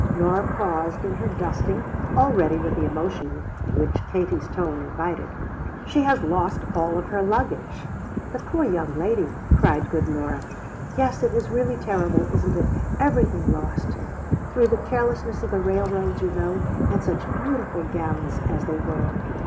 Nora paused in her dusting, all ready with the emotion which Katie's tone invited. "She has lost all of her luggage!" "The poor young lady!" cried good Nora. "Yes, it is really terrible, isn't it? Everything lost; through the carelessness of the railroads, you know. And such beautiful gowns as they were.